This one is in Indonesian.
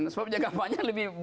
sebab jangka panjang lebih